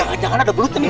jangan jangan ada belut nih